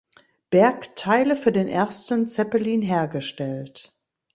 Berg Teile für den ersten Zeppelin hergestellt.